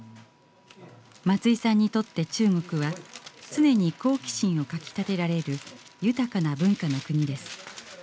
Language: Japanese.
松居さんにとって中国は常に好奇心をかきたてられる豊かな文化の国です。